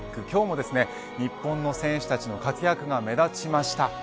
今日も日本の選手たちの活躍が目立ちました。